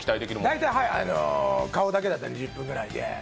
大体、顔だけだったら２０分ぐらいで。